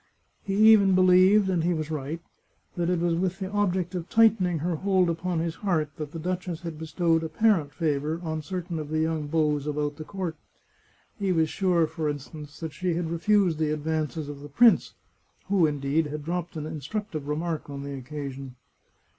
He even believed, and he was right, that it was with the object of tightening her hold upon his heart that the duchess had bestowed apparent favour on certain of the young beaux about the court. He was sure, for instance, that she had refused the advances of the prince, who, indeed, had dropped an instructive remark on the occasion.